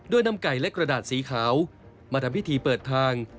โดยนำไก่และกระดาษสีขาวมาทำพิธีเปิดทาง